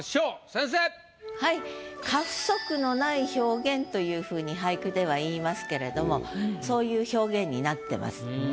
先生！というふうに俳句では言いますけれどもそういう表現になってます。